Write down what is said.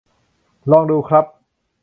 ลองดู ครับ